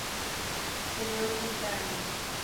Tenía ochenta años.